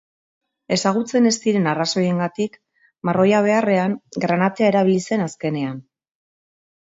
Ezagutzen ez diren arrazoiengatik marroia beharrean granatea erabili zen azkenean.